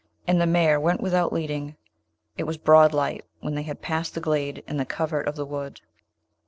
And the mare went without leading. It was broad light when they had passed the glade and the covert of the wood.